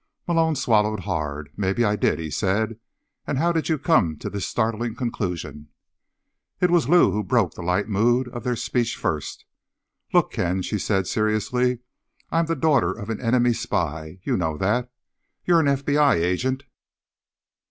Malone swallowed hard. "Maybe I did," he said. "And how did you come to this startling conclusion?" It was Lou who broke the light mood of their speech first. "Look, Ken," she said seriously, "I'm the daughter of an enemy spy. You know that. You're an FBI agent."